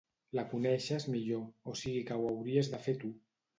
La coneixes millor, o sigui que ho hauries de fer tu.